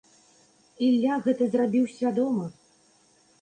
Ілля гэта зрабіў свядома.